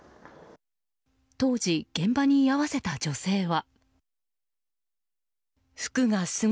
当時、現場に居合わせた女性は。